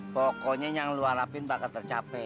pokoknya yang lo harapin bakal tercape